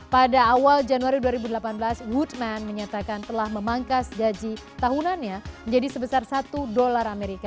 pada awal januari dua ribu delapan belas woodman menyatakan telah memangkas gaji tahunannya menjadi sebesar satu dolar amerika